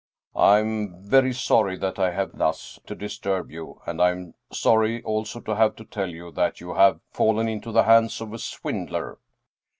" I'm very sorry that I have to thus disturb you, and I am sorry also to have to tell you that you have fallen into the hands of a swindler."